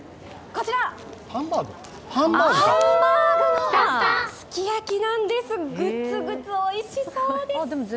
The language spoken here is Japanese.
ハンバーグのすき焼きなんですぐつぐつおいしそうです。